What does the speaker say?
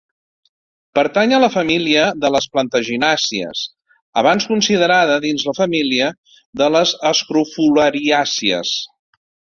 Pertany a la família de les plantaginàcies abans considerada dins la família de les escrofulariàcies.